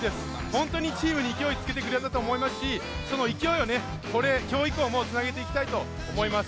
本当にチームに勢いをつけてくれたと思っていますし、その勢いを、今日以降もつなげていきたいと思います。